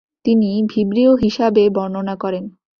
তিনি ভিব্রিও হিসাবে বর্ণনা করেন।